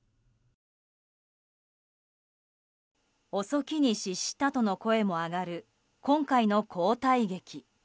遅きに失したとの声も上がる今回の交代劇。